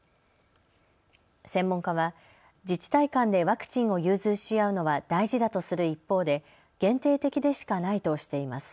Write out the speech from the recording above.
専門家は自治体間でワクチンを融通し合うのは大事だとする一方で限定的でしかないとしています。